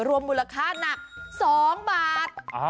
รวมบริคาหนัก๒บาท